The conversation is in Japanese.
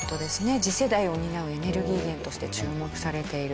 次世代を担うエネルギー源として注目されているという事です。